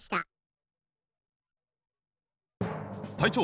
隊長！